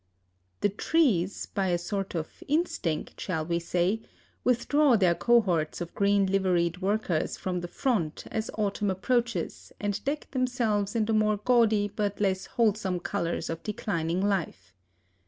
The trees, by a sort of instinct, shall we say, withdraw their cohorts of green liveried workers from the front as autumn approaches and deck themselves in the more gaudy but less wholesome colors of declining life.